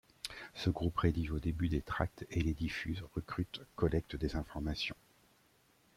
Ce groupe rédige au début des tracts et les diffuse, recrute, collecte des informations.